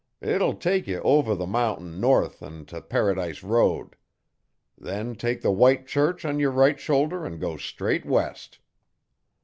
It'll take ye over the mountain north an' t' Paradise Road. Then take the white church on yer right shoulder an' go straight west.'